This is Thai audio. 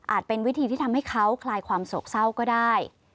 เป็นวิธีที่ทำให้เขาคลายความโศกเศร้าก็ได้